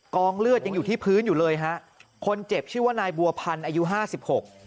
กองเลือดยังอยู่ที่พื้นอยู่เลยฮะคนเจ็บชื่อว่านายบัวพันธ์อายุห้าสิบหก